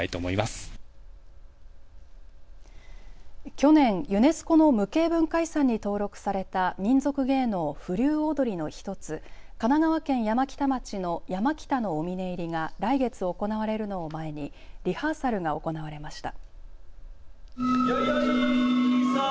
去年、ユネスコの無形文化遺産に登録された民俗芸能、風流踊の１つ神奈川県山北町の山北のお峰入りが来月行われるのを前にリハーサルが行われました。